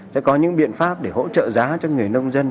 sẽ có những biện pháp để hỗ trợ giá cho người nông dân